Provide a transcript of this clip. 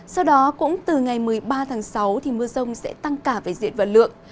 sau đó cũng từ ngày một mươi ba tháng sáu mưa rông sẽ tăng cả về diện và lượng